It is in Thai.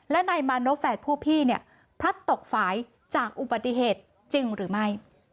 และนายมานพแฝดผู้พี่เนี่ยพลัดตกฝ่ายจากอุบัติเหตุจริงหรือไม่